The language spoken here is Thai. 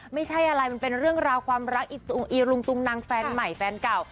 ไม่ใช่อะไรมันเป็นเรื่องราวความรักอีรุงตุงนังแฟนใหม่แฟนเก่า